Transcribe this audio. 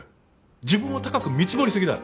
自分を高く見積もりすぎだ！